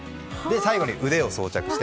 最後に腕を装着して。